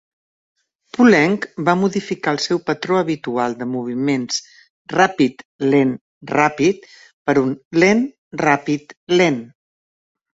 Poulenc va modificar el seu patró habitual de moviments ràpid-lent-ràpid per un lent-ràpid-lent.